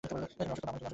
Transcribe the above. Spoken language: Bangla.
তুমি অসুস্থ, মামণি।